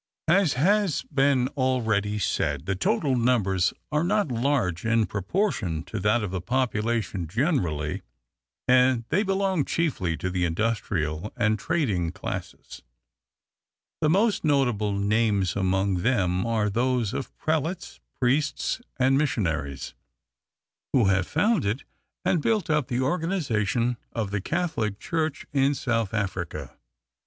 As has been already said, the total numbers are not large in proportion to that of the population generally, and they belong chiefly to the industrial and trading classes. The most notable names among them are those of prelates, priests, and missionaries, who have founded and built up the organization of the Catholic Church in South Africa.